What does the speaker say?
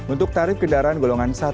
untuk tarif kendaraan golongan satu